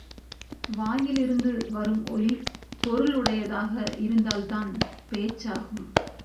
வாயிலிருந்து வரும் ஒலி பொருளுடையதாக இருந்தால்தான் பேச்சாகும்.